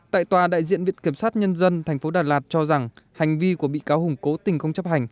tại tòa đại diện viện kiểm sát nhân dân tp đà lạt cho rằng hành vi của bị cáo hùng cố tình không chấp hành